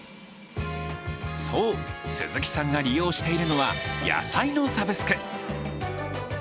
そう、鈴木さんが利用しているのは野菜のサブスク。